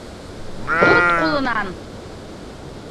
Тот ҡулынан!